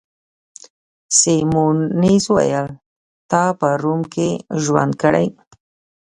سیمونز وویل: تا په روم کي ژوند کړی؟